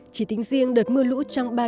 chỉ tính riêng đợt mưa lũ trong ba tuần